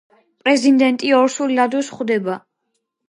პრეზიდენტი ორსულ ლადოს ხვდება.